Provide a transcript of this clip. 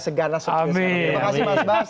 seganas seperti sekarang ini terima kasih mas bas